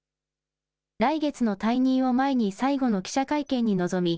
来月の退任を前に、最後の記者会見に臨み、